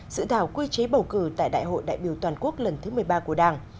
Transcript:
dự thảo quy chế bầu cử tại đại hội đại biểu toàn quốc lần thứ một mươi ba của đảng